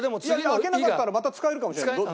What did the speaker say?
開けなかったらまた使えるかもしれない。